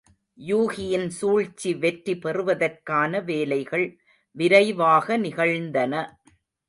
யூகியின் சூழ்ச்சி வெற்றி பெறுவதற்கான வேலைகள் விரைவாக நிகழ்ந்தன.